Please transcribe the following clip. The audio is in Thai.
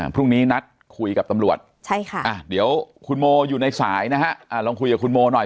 พรุ่งนี้นัดคุยกับตำรวจเดี๋ยวคุณโมอยู่ในสายนะฮะลองคุยกับคุณโมหน่อย